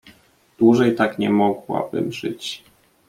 "Dłużej tak nie mogłabym żyć."